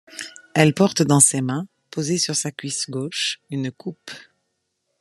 Elle porte dans ses mains, posée sur sa cuisse gauche, une coupe.